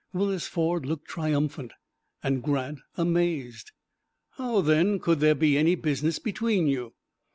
Willis Ford looked triumphant, and Grant amazed. "How, then, could there be any business between you?"